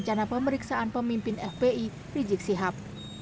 rencana pemeriksaan pemimpin fpi rizik sihab